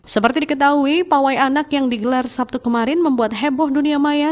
seperti diketahui pawai anak yang digelar sabtu kemarin membuat heboh dunia maya